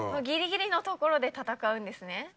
ギリギリのところで戦うんですね。